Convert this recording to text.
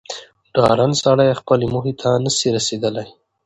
ډارن سړی خپلي موخي ته نه سي رسېدلاي